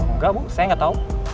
enggak bu saya nggak tahu